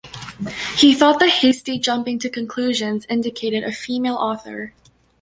He thought the "hasty jumping to conclusions" indicated a female author.